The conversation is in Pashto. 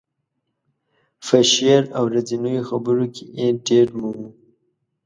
په شعر او ورځنیو خبرو کې یې ډېر مومو.